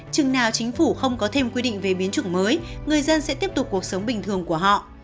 chừng nào chính phủ không có thêm quy định về biến chủng mới người dân sẽ tiếp tục cuộc sống bình thường của họ